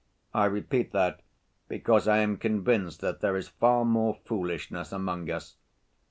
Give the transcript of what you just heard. I repeat that, because I am convinced that there is far more foolishness among us.